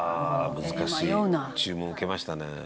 難しい注文受けましたね」